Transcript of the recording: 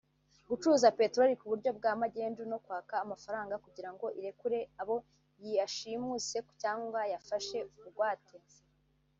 gucuruza peteroli ku buryo bwa magendu no kwaka amafaranga kugirango irekure abo yashimuse cyangwa yafashe bugwate